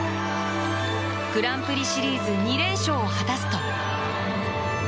グランプリシリーズ２連勝を果たすと。